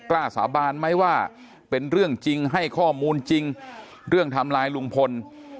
สาบานไหมว่าเป็นเรื่องจริงให้ข้อมูลจริงเรื่องทำลายลุงพล